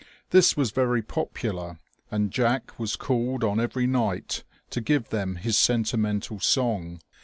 This was very popular, and Jack was called on every night to give them his sentimental song.